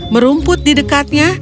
merumput di dekatnya